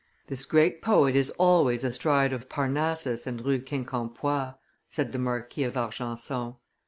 "This great poet is always astride of Parnassus and Rue Quincampoix," said the Marquis of Argenson.